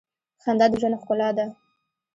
خندا د ژوند ښکلا ده.